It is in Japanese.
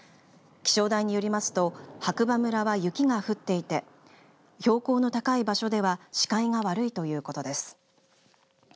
気象台によりますと白馬村は雪が降っていて標高の高い場所では視界が悪いということです。